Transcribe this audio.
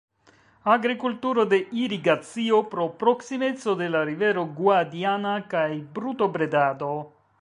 Agrikulturo de irigacio pro proksimeco de la rivero Guadiana kaj brutobredado.